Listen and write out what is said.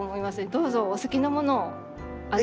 どうぞお好きなものを。